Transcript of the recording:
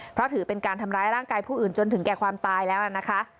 เพราะถือเป็นการทำร้ายร่างกายผู้อื่นจนถึงแก่ความตายแล้วนะคะ